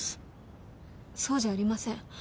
そうじゃありません。